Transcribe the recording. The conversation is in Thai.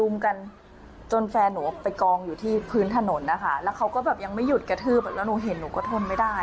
จนแฟนหนูออกไปกองอยู่ที่พื้นถนนนะคะแล้วเขาก็แบบยังไม่หยุดกระทืบแล้วหนูเห็นหนูก็ทนไม่ได้